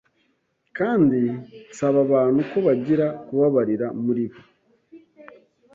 kandi nsaba abantu ko bagira kubabarira muribo.